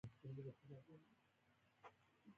نوموړي وویل: سعودي کې بیت الله شریف دی.